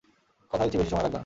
কথা দিচ্ছি বেশি সময় লাগবে না।